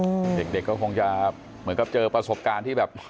เด็กเด็กก็คงจะเหมือนกับเจอประสบการณ์ที่แบบ